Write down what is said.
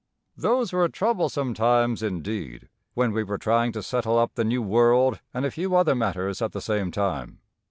Those were troublesome times, indeed, when we were trying to settle up the new world and a few other matters at the same time.